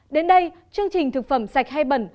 đến đây chương trình thực phẩm sạch hay bẩn